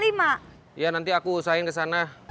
iya nanti aku usahain ke sana